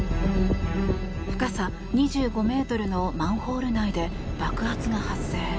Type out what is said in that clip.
深さ２５ｍのマンホール内で爆発が発生。